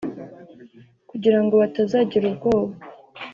kugira ngo batazagira ubwoba